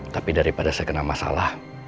tapi daripada saya kena masalah